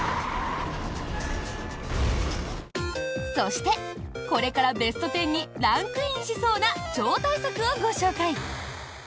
そして、これからベスト１０にランクインしそうな超大作をご紹介！